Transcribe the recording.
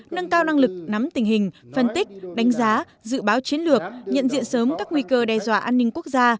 nâng cao năng lực nắm tình hình phân tích đánh giá dự báo chiến lược nhận diện sớm các nguy cơ đe dọa an ninh quốc gia